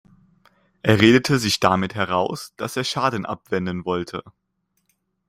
Er redete sich damit heraus, dass er Schaden abwenden wollte.